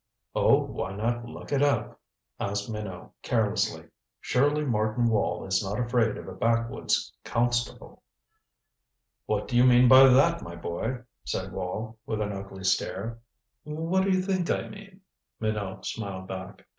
"Oh, why look it up?" asked Minot carelessly. "Surely Martin Wall is not afraid of a backwoods constable." "What do you mean by that, my boy?" said Wall, with an ugly stare. "What do you think I mean?" Minot smiled back.